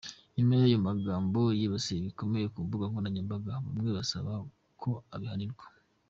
Nyuma y’ayo magambo yibasiwe bikomeye ku mbuga nkoranyambaga, bamwe basaba ko abihanirwa.